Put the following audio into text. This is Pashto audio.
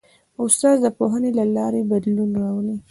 استاد د پوهنې له لارې بدلون راولي.